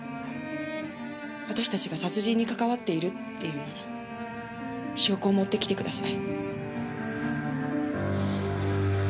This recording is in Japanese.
私たちが殺人にかかわっているっていうなら証拠を持ってきてください。